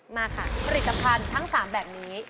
มาค่ะผลิตสำคัญทั้ง๓แบบนี้